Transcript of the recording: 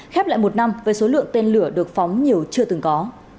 khép lại một năm với số lượng tên lửa được phóng nhiều chưa từng có